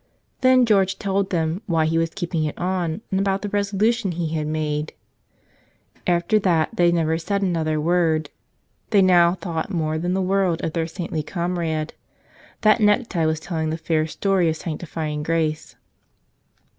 Then George told them why he was keeping it on and about the resolution he had made. After that they never said another word. They now thought more than the world of their saintly comrade. That necktie was telling the fair story of sanctifying grace.